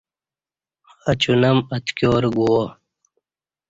اچونم اتکیارہ گووہ